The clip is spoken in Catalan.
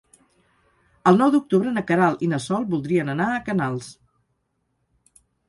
El nou d'octubre na Queralt i na Sol voldrien anar a Canals.